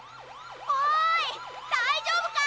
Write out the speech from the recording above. おいだいじょうぶか！